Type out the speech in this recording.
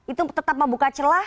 itu tetap membuka celah